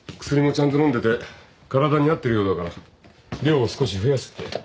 薬もちゃんと飲んでて体に合ってるようだから量を少し増やすって。